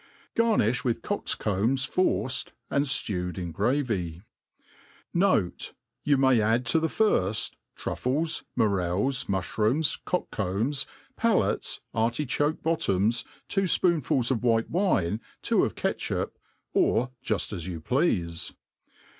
Garnifli with cocks combs forced, and Aewed 141 the gravy« Note, You may add to the firft, truffief^ fndreIs,.n^uihrooms, cocks combs, palates, artichoke bottoms, two fpoonfuls of white wine, two of catchup, or juft as you pleafe.